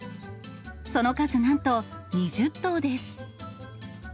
その数なんと、２０頭です。